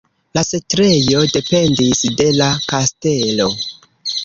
La setlejo dependis de la kastelo.